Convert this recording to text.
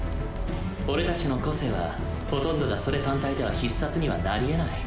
俺達の個性は殆どがそれ単体では必殺にはなりえない。